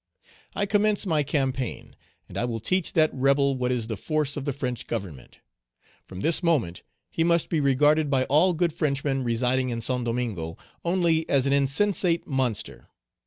"I commence my campaign, and I will teach that rebel what is the force of the French Government. "From this moment, he must be regarded by all good Frenchmen residing in Saint Domingo only as an insensate monster.